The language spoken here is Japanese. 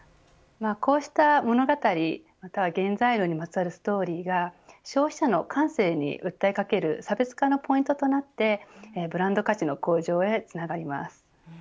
こうした物語または原材料にまつわるストーリーが消費者の感性に訴えかける差別化のポイントとなってブランド価値の向上へつながります。